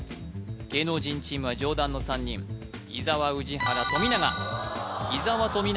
芸能人チームは上段の３人伊沢宇治原富永伊沢富永